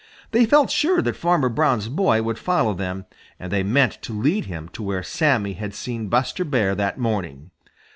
They felt sure that Farmer Brown's boy would follow them, and they meant to lead him to where Sammy had seen Buster Bear that morning.